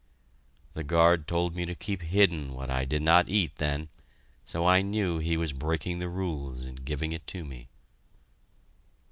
The guard told me to keep hidden what I did not eat then, so I knew he was breaking the rules in giving it to me.